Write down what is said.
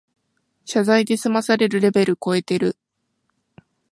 謝罪で済まされるレベルこえてる